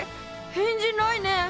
返事ないね。